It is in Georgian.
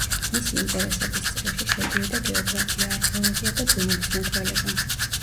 მისი ინტერესების წრეში შედიოდა გეოგრაფია, არქეოლოგია და ბუნებისმეტყველება.